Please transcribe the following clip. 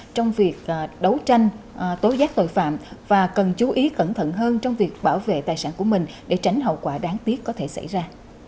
trong việc đấu tranh tối giác tội phạm và cần chú ý cẩn thận hơn trong việc bảo vệ tài sản của mình để tránh hậu quả đáng tiếc có thể xảy ra